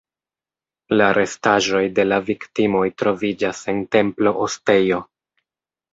La restaĵoj de la viktimoj troviĝas en templo-ostejo.